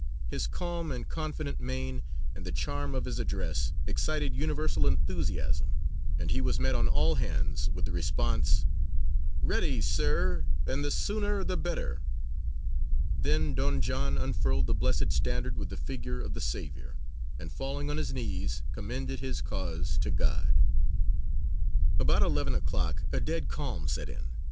His calm and confident mien, and the charm of his address, excited universal enthusiasm, and he was met on all hands with the response: "Ready, Sir; and the sooner the better!" Then Don John unfurled the Blessed Standard with the figure of the Saviour, and falling on his knees commended his cause to God. About eleven o'clock a dead calm set in.